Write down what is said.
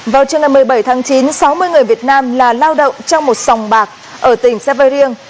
vào trưa ngày một mươi bảy tháng chín sáu mươi người việt nam là lao động trong một sòng bạc ở tỉnh sa vê riêng